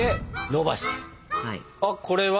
あっこれは？